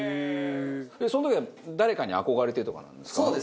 その時は誰かに憧れてとかなんですか？